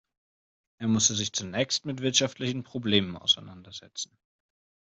Er musste sich zunächst mit wirtschaftlichen Problemen auseinandersetzen.